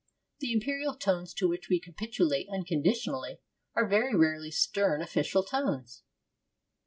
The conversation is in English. The imperial tones to which we capitulate unconditionally are very rarely stern official tones.